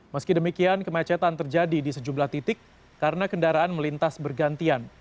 meski demikian kemacetan terjadi di sejumlah titik karena kendaraan melintas bergantian